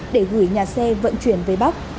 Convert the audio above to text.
để gửi nhà xe vận chuyển về bắc